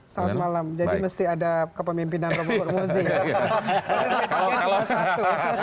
selamat malam jadi mesti ada kepemimpinan roma hurmusi